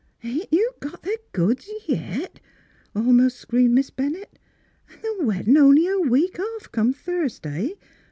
" Ain't you got the goods yit? " almost screamed Miss Bennett, " an' th' weddin' only a week off, come Thursday.